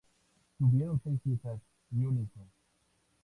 Tuvieron seis hijas y un hijo.